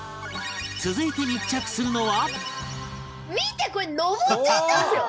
続いて密着するのは